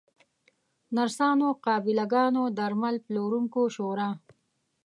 نرسانو، قابله ګانو، درمل پلورونکو شورا